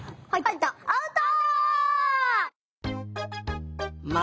アウト！